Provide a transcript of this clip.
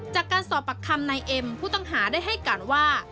จากการสอบปากคำนายเอ็มผู้ต้องหาได้ให้การว่า